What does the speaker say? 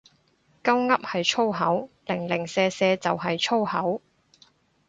鳩噏係粗口，零零舍舍就係粗口